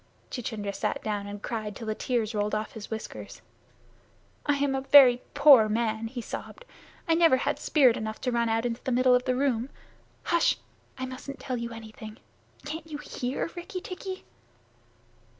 Chuchundra sat down and cried till the tears rolled off his whiskers. "I am a very poor man," he sobbed. "I never had spirit enough to run out into the middle of the room. H'sh! I mustn't tell you anything. Can't you hear, Rikki tikki?"